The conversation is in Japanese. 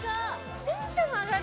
テンション上がる！